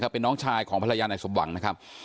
เป็นน้องชายของภรรยานายสมหวังนะครับ